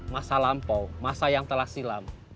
masa lampau masa yang telah silam